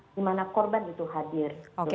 di mana korban itu hadir